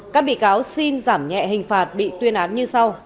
các bị cáo xin giảm nhẹ hình phạt bị tuyên án như sau